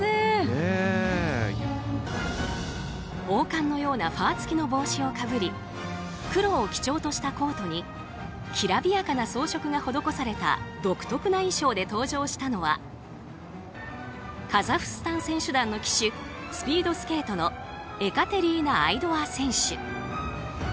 王冠のようなファー付きの帽子をかぶり黒を基調としたコートにきらびやかな装飾が施された独特な衣装で登場したのはカザフスタン選手団の旗手スピードスケートのエカテリーナ・アイドワ選手。